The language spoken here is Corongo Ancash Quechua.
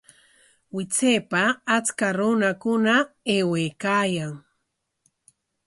Wichaypa acha runa aywaykaayan